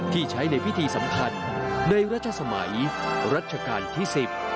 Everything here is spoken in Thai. ที่ใช้ในพิธีสำคัญในรัชสมัยรัชกาลที่สิบ